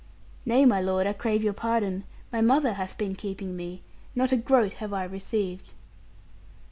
'Nay, my lord, I crave your pardon. My mother hath been keeping me. Not a groat have I received.'